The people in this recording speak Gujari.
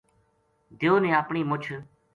دیو نے اپنی مُچھ